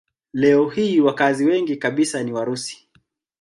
Leo hii wakazi wengi kabisa ni Warusi.